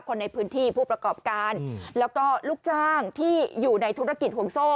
คนในพื้นที่ผู้ประกอบการแล้วก็ลูกจ้างที่อยู่ในธุรกิจห่วงโซ่